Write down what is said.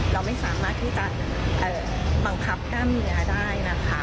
เราไม่สามารถที่จะบังคับกล้ามเนื้อได้นะคะ